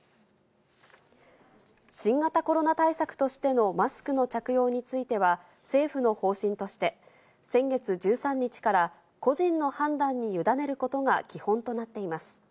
新型コロナ対策としてのマスクの着用については、政府の方針として、先月１３日から、個人の判断に委ねることが基本となっています。